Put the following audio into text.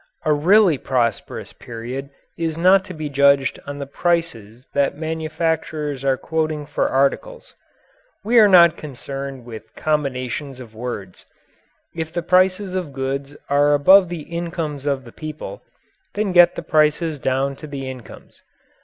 A really prosperous period is not to be judged on the prices that manufacturers are quoting for articles. We are not concerned with combinations of words. If the prices of goods are above the incomes of the people, then get the prices down to the incomes.